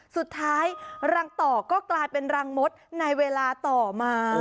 สุดท้ายรังต่อก็กลายเป็นรังมดในเวลาต่อมา